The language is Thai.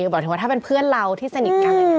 บอกถึงว่าถ้าเป็นเพื่อนเราที่สนิทกัน